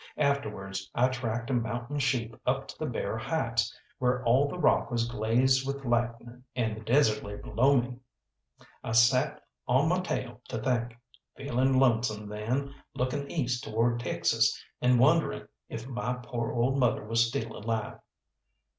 Afterwards I tracked a mountain sheep up to the bare heights, where all the rock was glazed with lightning, and the desert lay below me. I sat on my tail to think, feeling lonesome then, looking east toward Texas and wondering if my poor old mother was still alive.